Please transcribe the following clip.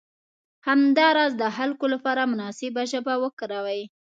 همداراز د خلکو لپاره مناسبه ژبه وکاروئ.